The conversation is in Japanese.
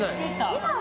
今は。